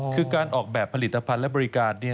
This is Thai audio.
คือการออกแบบผลิตภัณฑ์และบริการ